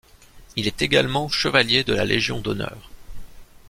Il est également Chevalier de la Légion d'honneur.